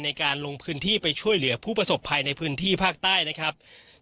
ในการลงพื้นที่ไปช่วยเหลือผู้ประสบภัยในพื้นที่ภาคใต้นะครับ